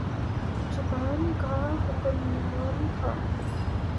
Japan کا حکمران تھا۔